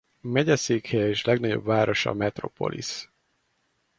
Megyeszékhelye és legnagyobb városa Metropolis.